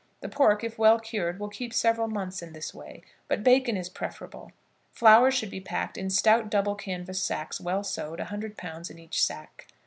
The pork, if well cured, will keep several months in this way, but bacon is preferable. Flour should be packed in stout double canvas sacks well sewed, a hundred pounds in each sack.